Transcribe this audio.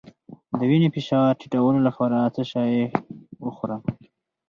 د وینې فشار ټیټولو لپاره څه شی وخورم؟